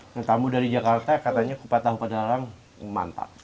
nah kamu dari jakarta katanya kupat tahu padalarang mantap